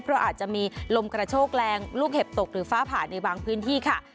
เพราะอาจจะมีลมกระโชกแรงลูกเห็บตกหรือฟ้าผ่าในบางพื้นที่ค่ะ